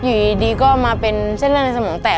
อยู่ดีก็มาเป็นเส้นเลือดในสมองแตก